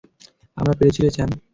আমরা পেরেছি রে, স্যাম।